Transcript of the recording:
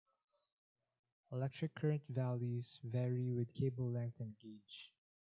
Electric current values vary with cable length and gauge.